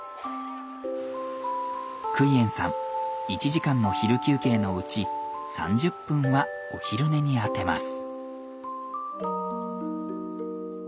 クイエンさん１時間の昼休憩のうち３０分はお昼寝に充てます。